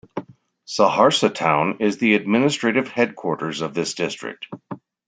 Saharsa town is the administrative headquarters of this district.